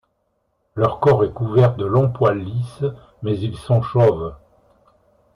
Leur corps est couvert de longs poils lisses mais ils sont chauves.